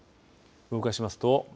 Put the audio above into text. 動かしますと。